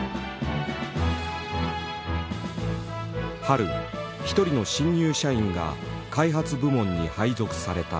春一人の新入社員が開発部門に配属された。